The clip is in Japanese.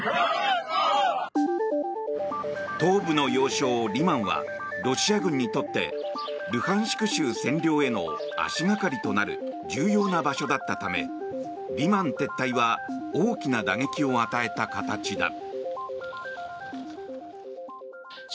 東部の要衝リマンはロシア軍にとってルハンシク州占領への足掛かりとなる重要な場所だったためリマン撤退は大きな打撃を与えた形だ。